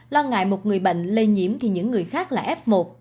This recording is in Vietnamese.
lo ngại một người bệnh lây nhiễm thì những người khác là f một